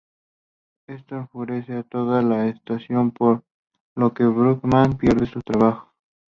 Esto enfurece a toda la estación por lo que Brockman pierde su trabajo.